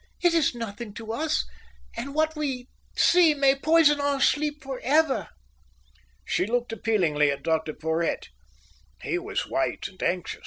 It is nothing to us; and what we see may poison our sleep for ever." She looked appealingly at Dr Porhoët. He was white and anxious.